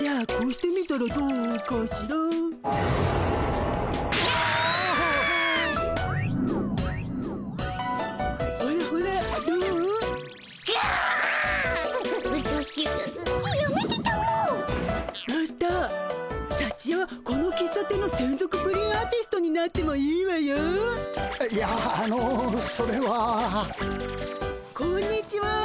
こんにちは。